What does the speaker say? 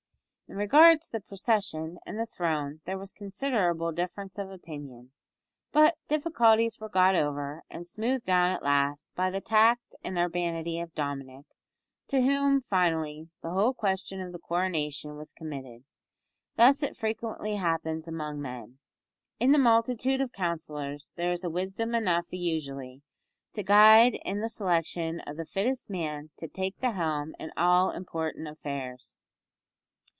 In regard to the procession and the throne there was considerable difference of opinion, but difficulties were got over and smoothed down at last by the tact and urbanity of Dominick, to whom, finally, the whole question of the coronation was committed. Thus it frequently happens among men. In the multitude of counsellors there is wisdom enough, usually, to guide in the selection of the fittest man to take the helm in all important affairs.